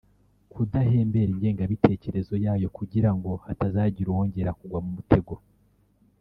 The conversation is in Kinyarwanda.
kudahembera ingengabitekerezo yayo kugira ngo hatazagira uwongera kugwa mu mutego